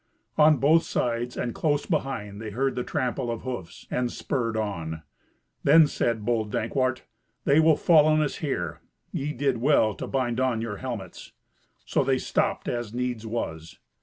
On both sides, and close behind, they heard the trample of hoofs, and spurred on. Then said bold Dankwart, "They will fall on us here. Ye did well to bind on your helmets." So they stopped, as needs was.